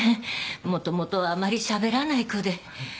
もともとあまりしゃべらない子で。